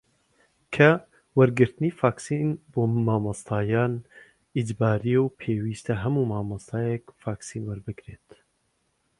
کە وەرگرتنی ڤاکسین بۆ مامۆستایان ئیجبارییە و پێویستە هەموو مامۆستایەک ڤاکسین وەربگرێت